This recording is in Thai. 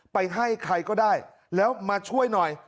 ไปให้ใครก็ได้แล้วมาช่วยหน่อย